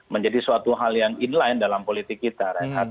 menjadi suatu hal yang inline dalam politik kita